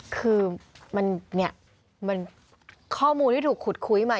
คือมันเนี่ยมันข้อมูลที่ถูกขุดคุยมา